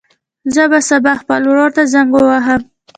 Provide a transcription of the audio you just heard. زه به سبا خپل ورور ته زنګ ووهم.